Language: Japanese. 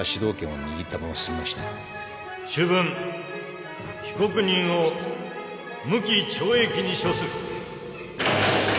主文被告人を無期懲役に処する